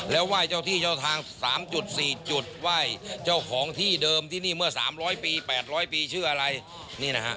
แล้วไหว้เจ้าที่เจ้าทางสามจุดสี่จุดไหว้เจ้าของที่เดิมที่นี่เมื่อสามร้อยปีแปดร้อยปีชื่ออะไรนี่นะฮะ